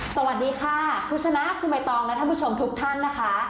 สวัสดีค่ะคุณชนะคุณใบตองและท่านผู้ชมทุกท่านนะคะ